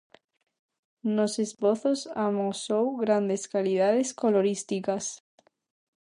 Nos esbozos amosou grandes calidades colorísticas.